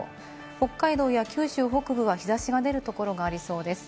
北海道や九州北部は日差しが出るところがありそうです。